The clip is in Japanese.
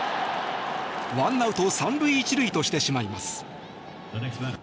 １アウト３塁１塁としてしまいます。